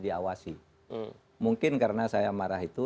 diawasi mungkin karena saya marah itu